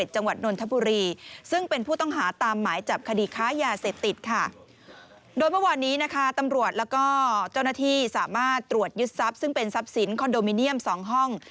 เจ้าหน้าที่สามารถตรวจยึดซับซึ่งเป็นซับสินคอนโดมิเนียม๒ห้อง